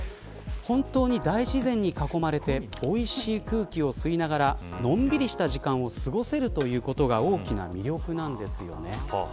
本当に大自然に囲まれておいしい空気を吸いながらのんびりした時間を過ごせるということが大きな魅力なんですよね。